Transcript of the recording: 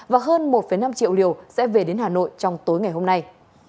và hơn một năm triệu liều sẽ về đến hà nội trong tối ngày hôm nay